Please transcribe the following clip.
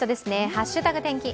「＃ハッシュタグ天気」